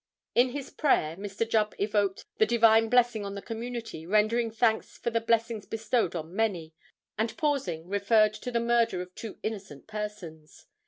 In his prayer, Mr. Jubb evoked the divine blessing on the community, rendering thanks for the blessings bestowed on many, and, pausing, referred to the murder of two innocent persons.